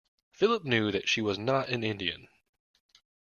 Philip knew that she was not an Indian.